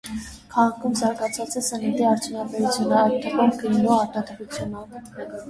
Քաղաքում զարգացած է սննդի արդյունաբերությունը, այդ թվում՝ գինու արտադրությունը։